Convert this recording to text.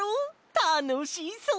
たのしそう！